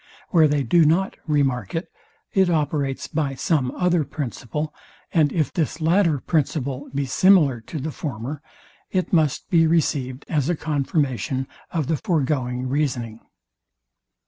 Where they do not remark it, it operates by some other principle; and if this latter principle be similar to the former, it must be received as a confirmation of the foregoing reasoning.